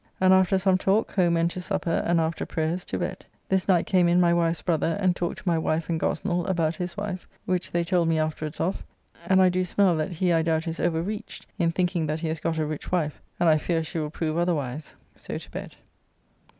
And after some talk, home and to supper, and after prayers to bed. This night came in my wife's brother and talked to my wife and Gosnell about his wife, which they told me afterwards of, and I do smell that he I doubt is overreached in thinking that he has got a rich wife,' and I fear she will prove otherwise. So to bed.